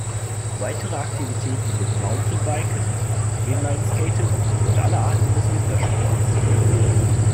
Weitere Aktivitäten sind Mountainbiken, Inlineskaten und alle Arten des Wintersports.